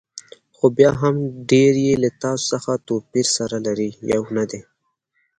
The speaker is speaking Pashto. خو بیا هم ډېری یې له تاسو څخه توپیر سره لري، یو نه دي.